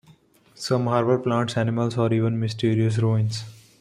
Some harbour plants and animals, or even mysterious ruins.